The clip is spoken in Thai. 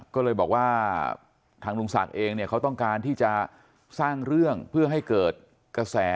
ก็เลยบอกว่าทางลุงศักดิ์เองเนี่ยเขาต้องการที่จะสร้างเรื่องเพื่อให้เกิดกระแส